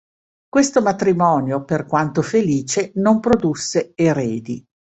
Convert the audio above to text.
Questo matrimonio, per quanto felice, non produsse eredi.